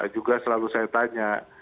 juga selalu saya tanya